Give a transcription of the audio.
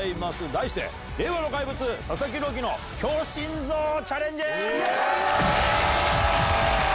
題して令和の怪物佐々木朗希の強心臓チャレンジ！